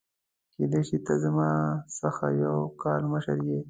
کيدای شي ته زما څخه څو کاله مشر يې !؟